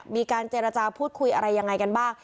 มีการเจรจาพูดคุยอะไรยังไงกันบ้าง